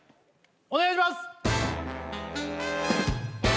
お願いします